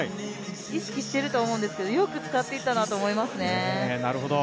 意識してると思うんですけどよく使っていったなと思いますね。